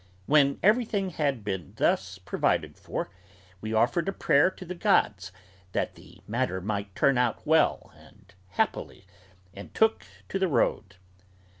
When everything had been thus provided for, we offered a prayer to the gods "that the matter might turn out well and happily," and took to the road.